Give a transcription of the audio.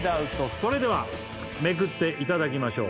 それではめくっていただきましょう